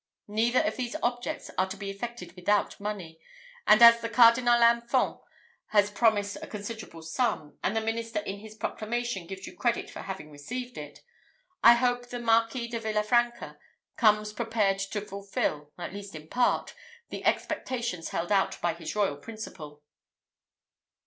Neither of these objects are to be effected without money; and as the Cardinal Infant has promised a considerable sum, and the minister in his proclamation gives you credit for having received it, I hope the Marquis de Villa Franca comes prepared to fulfil, at least in part, the expectations held out by his royal principal."